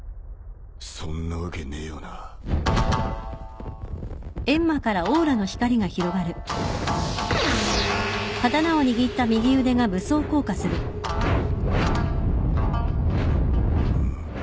そんなわけねえよなん？